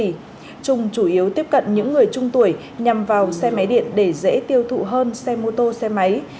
chủ yếu tiếp cận những người trung tuổi nhằm vào xe máy điện để dễ tiêu thụ hơn xe mô tô xe máy